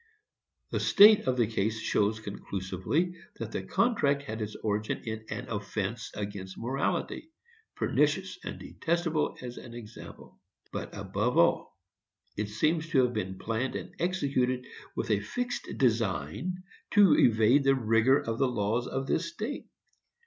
The state of the case shows conclusively that the contract had its origin in an offence against morality, pernicious and detestable as an example. But, above all, it seems to have been planned and executed with a fixed design to evade the rigor of the laws of this state.